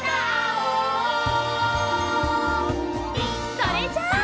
それじゃあ！